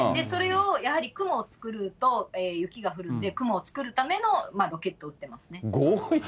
それをやはり雲を作ると雪が降るんで、雲を作るためのロケットをうってますね。